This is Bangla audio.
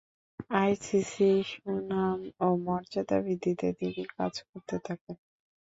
আইসিসি’র সুনাম ও মর্যাদা বৃদ্ধিতে তিনি কাজ করতে থাকেন।